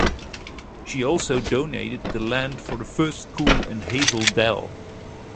She also donated the land for the first school in Hazel Dell.